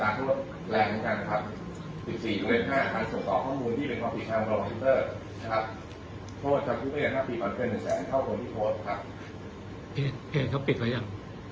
เข้ามีเข้าไปยังตอนนี้อยากทำอย่างอื่น